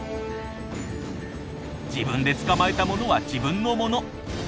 自分で捕まえたものは自分のもの。